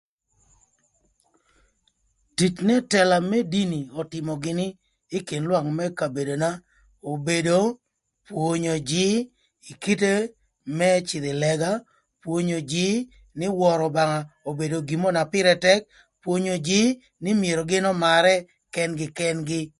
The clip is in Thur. Tic n'ëtëla më dini ötïmö gïnï ï kin lwak më kabedona obedo pwonyo jïï ï kite më cïdhö ï lëga, pwonyo jïï nï wörö Obanga obedo gin mörö na pïrë tëk, pwonyo jïï nï gin myero ömarë kën-gï kën-gï.